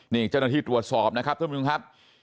นี่เจ้าหน้าที่ตรวจสอบนะครับท่านผู้ชมครับ